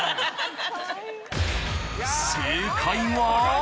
正解は？